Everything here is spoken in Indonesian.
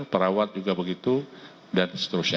perawat juga begitu dan seterusnya